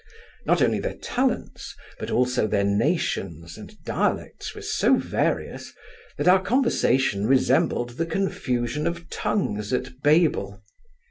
Not only their talents, but also their nations and dialects were so various, that our conversation resembled the confusion of tongues at Babel.